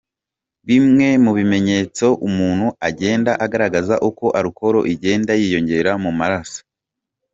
Bimwe mu bimenyetso umuntu agenda agaragaza uko alcool igenda yiyongera mu maraso.